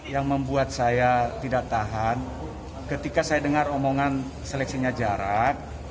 yang membuat saya tidak tahan ketika saya dengar omongan seleksinya jarak